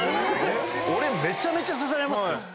俺めちゃめちゃ刺されますよ！